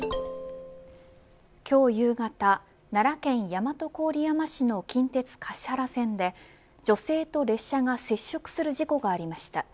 今日夕方奈良県大和郡山市の近鉄橿原線で女性と列車が接触する事故がありました。